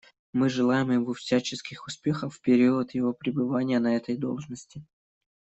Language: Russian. Мы желаем ему всяческих успехов в период его пребывания на этой должности.